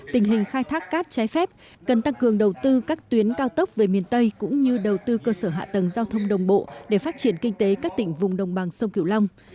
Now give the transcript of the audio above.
tình hình khai thác cát trái phép cần tăng cường đầu tư các tuyến cao tốc về miền tây cũng như đầu tư cơ sở hạ tầng giao thông đồng bộ để phát triển kinh tế các tỉnh vùng đồng bằng sông kiểu long